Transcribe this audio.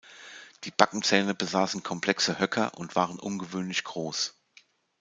Die Backenzähne besaßen komplexe Höcker und waren ungewöhnlich groß.